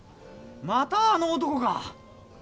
またあの男か。